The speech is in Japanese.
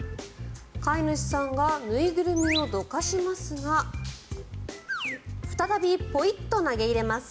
飼い主さんが縫いぐるみをどかしますが再びポイッと投げ入れます。